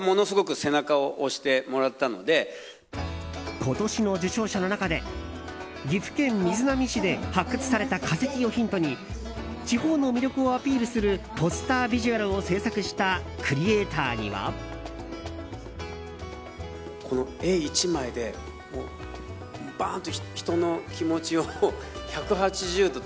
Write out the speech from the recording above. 今年の受賞者の中で岐阜県瑞浪市で発掘された化石をヒントに地方の魅力をアピールするポスタービジュアルを制作したクリエーターには。と、父親の顔ものぞかせた。